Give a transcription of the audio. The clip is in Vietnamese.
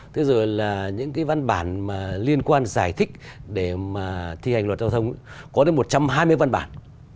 thế rồi là những cái văn bản mà liên quan giải thích để mà thi hành luật giao thông có đến một trăm hai mươi văn bản